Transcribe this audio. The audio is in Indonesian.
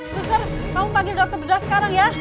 terus kamu panggil dokter bedah sekarang ya